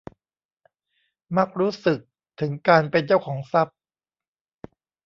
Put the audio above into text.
มักรู้สึกถึงการเป็นเจ้าของทรัพย์